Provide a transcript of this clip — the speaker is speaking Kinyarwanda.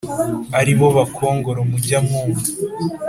ari bo bakongoro mujya mwumva